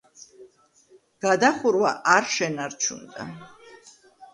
გადახურვა არ შენარჩუნდა.